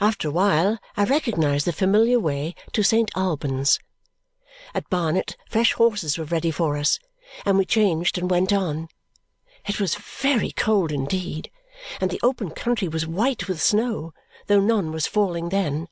After a while I recognized the familiar way to Saint Albans. At Barnet fresh horses were ready for us, and we changed and went on. It was very cold indeed, and the open country was white with snow, though none was falling then.